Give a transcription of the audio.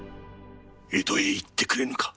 江戸へ行ってくれぬか。